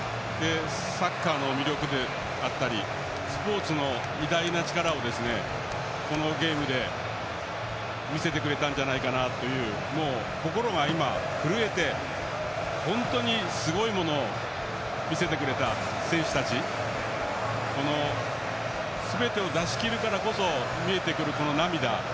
サッカーの魅力だったりスポーツの偉大な力をこのゲームで見せてくれたんじゃないかなという心が今、震えて本当にすごいものを見せてくれた選手たち、このすべてを出し切るからこそ見えてくる、この涙。